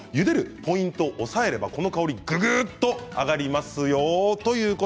ポイントを押さえれば香りもぐっと上がりますよ。